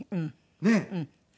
ねえ。